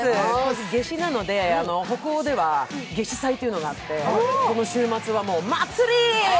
夏至なので、北欧では夏至再というのがあって、この週末は祭り！